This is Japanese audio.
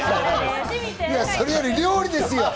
それより料理ですよ！